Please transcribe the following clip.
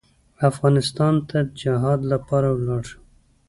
افغانستان ته جهاد لپاره ولاړ شم.